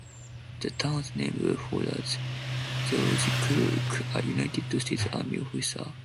The town's name honors George Crook, a United States Army officer.